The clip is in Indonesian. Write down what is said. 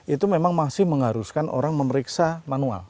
itu memang masih mengharuskan orang memeriksa manual